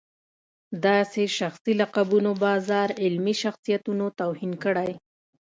داسې شخصي لقبونو بازار علمي شخصیتونو توهین کړی.